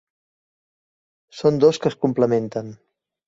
Són dos que es complementen.